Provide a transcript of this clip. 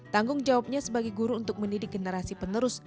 tanggung jawabnya sebagai guru untuk mendidik generasi penerus